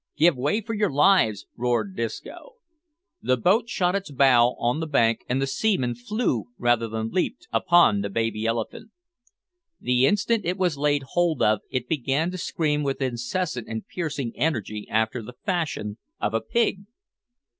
"Give way for your lives!" roared Disco. The boat shot its bow on the bank, and the seaman flew rather than leaped upon the baby elephant! The instant it was laid hold of it began to scream with incessant and piercing energy after the fashion of a pig.